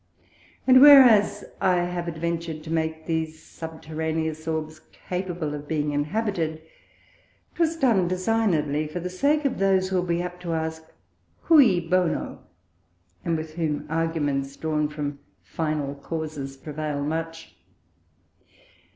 And whereas I have adventur'd to make these Subterraneous Orbs capable of being Inhabited, 'twas done designedly for the sake of those who will be apt to ask cui bono, and with whom Arguments drawn from Final Causes prevail much.